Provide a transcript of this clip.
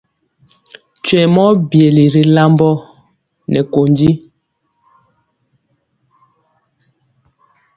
Twɛŋ mɔ byeli ri lambɔ nɛ kondi.